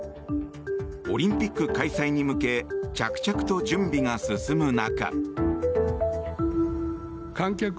オリンピック開催に向け着々と準備が進む中。